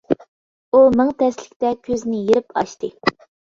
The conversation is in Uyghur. ئۇ مىڭ تەسلىكتە كۆزىنى يېرىپ ئاچتى.